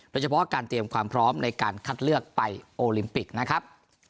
โดยเฉพาะการเตรียมความพร้อมในการคัดเลือกไปโอลิมปิกนะครับ